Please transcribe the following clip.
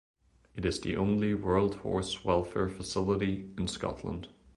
It is the only World Horse Welfare facility in Scotland.